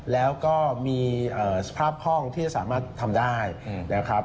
แล้วก็มีสภาพห้องที่จะสามารถทำได้นะครับ